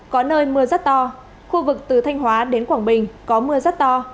có nơi mưa rất to khu vực từ thanh hóa đến quảng bình có mưa rất to